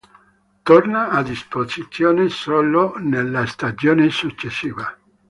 Torna a disposizione solo nella stagione successiva.